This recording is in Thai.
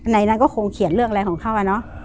ในนั้นก็คงเขียนเรื่องอะไรของเขาอะเนาะ